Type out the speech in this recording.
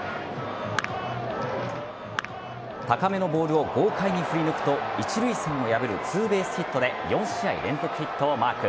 高めのボールを豪快に振り抜くと一塁線を破るツーベースヒットで４試合連続ヒットをマーク。